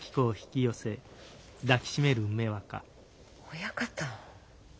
親方。